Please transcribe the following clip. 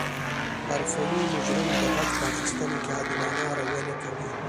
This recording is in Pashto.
حرفوي مجرم د غچ په اخستلو کې عادلانه رویه نه کوي